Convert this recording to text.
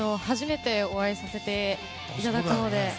初めてお会いさせていただくので。